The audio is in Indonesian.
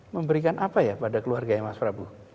memberikan apa ya pada keluarganya mas prabu